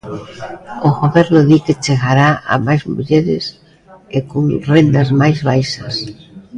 O Goberno di que chegará a máis mulleres e con rendas máis baixas.